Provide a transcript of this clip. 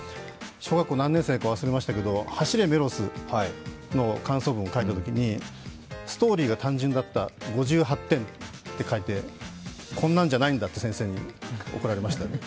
小学校何年生か忘れましたけど、「走れメロス」の感想文を書いたときに「ストーリーが単純だった、５８点」って書いてこんなんじゃないんだって先生に怒られました。